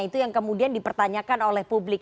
itu yang kemudian di pertanyakan oleh publik